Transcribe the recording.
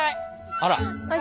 あら。